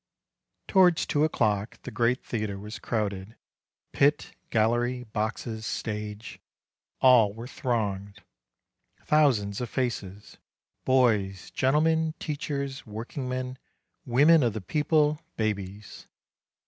Towards two o'clock the great theatre was crowded, pit, gallery, boxes, stage, all were thronged; thou sands of faces, boys, gentlemen, teachers, working men, women of the people, babies.